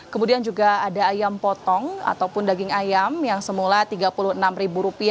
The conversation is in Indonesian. kemudian juga ada ayam potong ataupun daging ayam yang semula rp tiga puluh enam